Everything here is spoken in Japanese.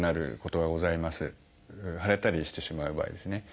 腫れたりしてしまう場合ですね。